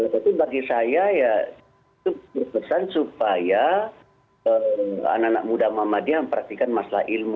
tapi bagi saya ya itu berpesan supaya anak anak muda muhammadiyah memperhatikan masalah ilmu